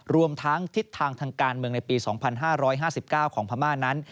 รวมทั้งทิศทางทางการเมืองในปี๒๕๕๙ของพม่านั้น